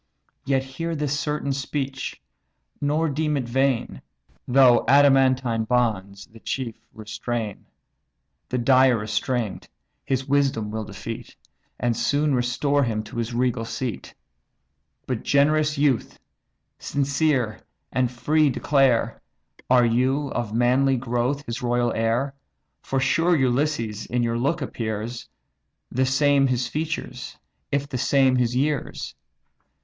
Yet hear this certain speech, nor deem it vain; Though adamantine bonds the chief restrain, The dire restraint his wisdom will defeat, And soon restore him to his regal seat. But generous youth! sincere and free declare, Are you, of manly growth, his royal heir? For sure Ulysses in your look appears, The same his features, if the same his years.